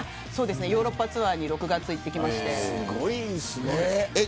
ヨーロッパツアーに６月に行ってきまして。